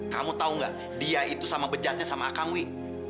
kamu tau gak dia itu sama bejatnya sama akangwi